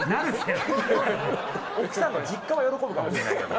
奥さんの実家は喜ぶかもしれないけどね。